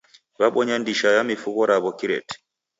W'abonya ndisha ya mifugho raw'o kireti.